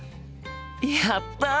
やった！